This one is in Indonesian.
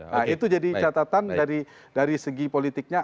nah itu jadi catatan dari segi politiknya